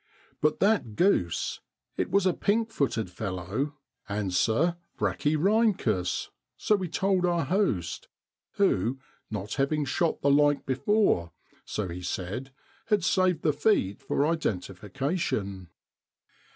But that goose it was a pink footed fellow (Anser brachyrhyncus), so we told our host, who, not having shot the like before, so he said, had saved the feet for identification.